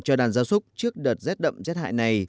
cho đàn gia súc trước đợt rét đậm rét hại này